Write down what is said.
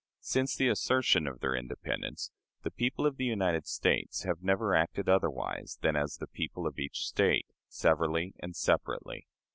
Since the assertion of their independence, the people of the United States have never acted otherwise than as the people of each State, severally and separately.